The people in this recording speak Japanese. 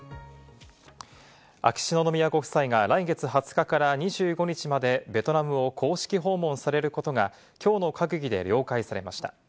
秋篠宮ご夫妻が来月２０日から２５日までベトナムを公式訪問されることがきょうの閣議で了解されました。